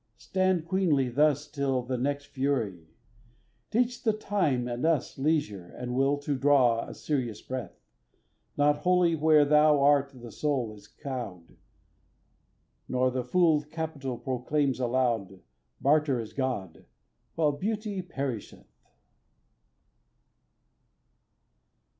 Stand queenly thus Till the next fury; teach the time and us Leisure and will to draw a serious breath: Not wholly where thou art the soul is cowed, Nor the fooled capital proclaims aloud Barter is god, while Beauty perisheth.